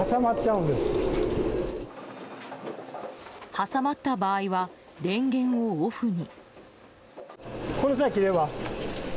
挟まった場合は電源をオフに。